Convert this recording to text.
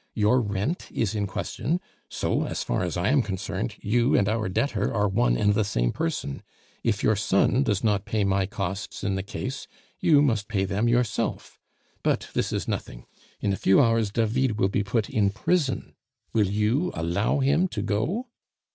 Your rent is in question; so, as far as I am concerned, you and our debtor are one and the same person. If your son does not pay my costs in the case, you must pay them yourself. But this is nothing. In a few hours David will be put in prison; will you allow him to go?"